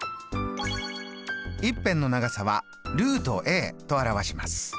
１辺の長さはと表します。